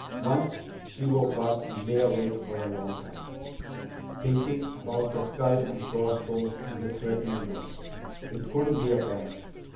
Once she woke up and lay awake for a long time, thinking about the skull and crossbones and the threatening note. It couldn't be a prank!